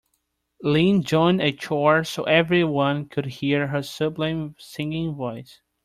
Leanne joined a choir so everyone could hear her sublime singing voice.